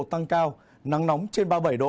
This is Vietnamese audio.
tăng cao nắng nóng trên ba mươi bảy độ